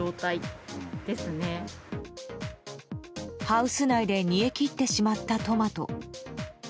ハウス内で煮え切ってしまったトマト。